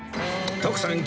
徳さん